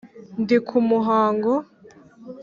ndi ku muhango.